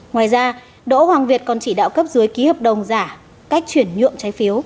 ngoài ra đỗ hoàng việt còn chỉ đạo cấp dưới ký hợp đồng giả cách chuyển nhượng trái phiếu